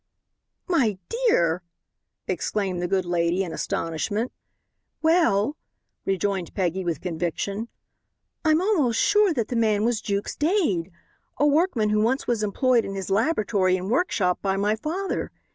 "My dear!" exclaimed the good lady in astonishment. "Well," rejoined Peggy with conviction, "I'm almost sure that the man was Jukes Dade, a workman who once was employed in his laboratory and workshop by my father.